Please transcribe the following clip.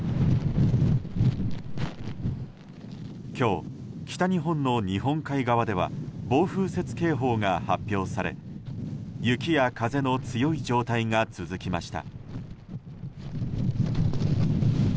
今日、北日本の日本海側では暴風雪警報が発表され雪や風の強い状態が続きました。